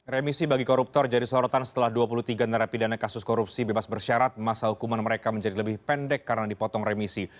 remisi bagi koruptor jadi sorotan setelah dua puluh tiga narapidana kasus korupsi bebas bersyarat masa hukuman mereka menjadi lebih pendek karena dipotong remisi